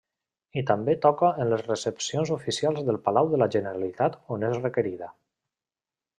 I també toca en les recepcions oficials del Palau de la Generalitat on és requerida.